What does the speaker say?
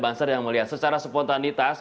banser yang melihat secara spontanitas